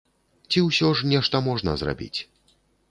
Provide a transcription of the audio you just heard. Ці ўсё ж нешта можна зрабіць?